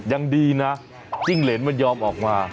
ยังดีนะจิ้งเหรนมันยอมออกมา